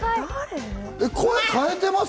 声、変えてます？